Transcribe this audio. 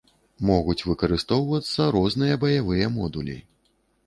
Могуць выкарыстоўвацца розныя баявыя модулі.